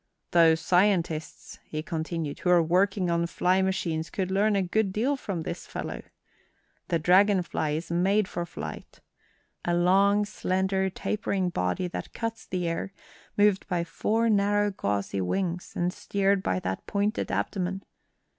"Those scientists," he continued, "who are working on flying machines could learn a good deal from this fellow. The dragon fly is made for flight. A long, slender, tapering body that cuts the air, moved by four narrow, gauzy wings, and steered by that pointed abdomen.